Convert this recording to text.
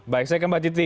baik saya ke mbak jity